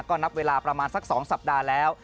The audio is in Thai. ก็นับเวลาประมาณสัก๒สัปดาห์แล้ว